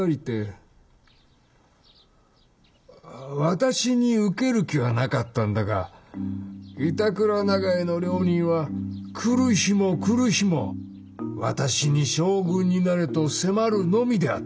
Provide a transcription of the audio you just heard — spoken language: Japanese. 私に受ける気はなかったんだが板倉永井の両人は来る日も来る日も私に将軍になれと迫るのみであった。